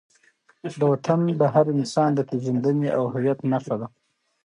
وطن د هر انسان د پېژندنې او هویت نښه ده.